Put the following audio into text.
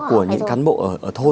và của những cán bộ ở thôn